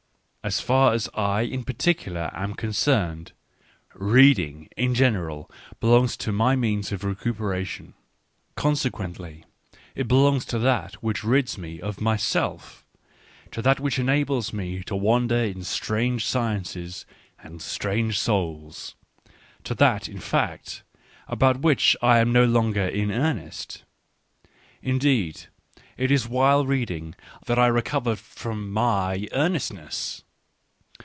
As far as I in particular am con cerned, reading in general belongs to my means of recuperation ; consequently it belongs to that which rids me of myself, to that which enables me to wander in strange sciences and strange souls — to that, in fact, aboutwhich I am no longer in earnest. Indeed, it is while reading that I recover from my earnestness.